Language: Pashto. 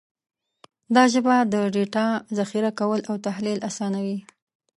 دا ژبه د ډیټا ذخیره کول او تحلیل اسانوي.